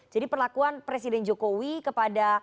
jadi perlakuan presiden jokowi kepada